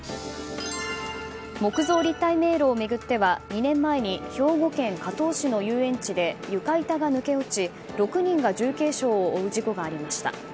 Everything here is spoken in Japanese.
木造立体迷路を巡っては２年前に兵庫県加東市の遊園地で床板が抜け落ち６人が重軽傷を負う事故がありました。